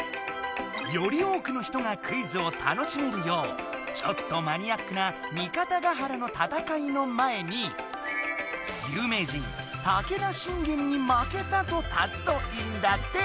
より多くの人がクイズを楽しめるようちょっとマニアックな「三方ヶ原の戦い」の前に「ゆうめいじん武田信玄に負けた」と足すといいんだって。